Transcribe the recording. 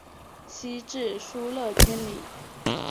西至疏勒千里。